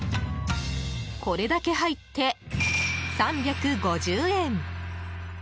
これだけ入って３５０円。